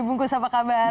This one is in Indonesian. bungkus apa kabar